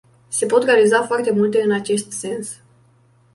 Se pot realiza foarte multe în acest sens.